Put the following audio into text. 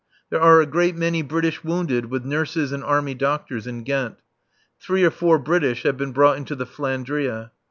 There are a great many British wounded, with nurses and Army doctors, in Ghent. Three or four British have been brought into the "Flandria."